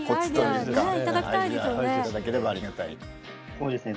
そうですね。